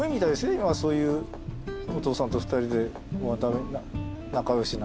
今そういうお父さんと２人で仲良しな。